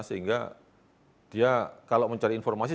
sehingga dia kalau mencari informasi